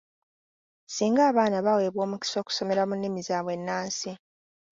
Singa abaana baweebwa omukisa okusomera mu nnimi zaabwe ennansi.